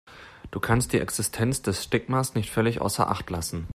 Du kannst die Existenz des Stigmas nicht völlig außer Acht lassen.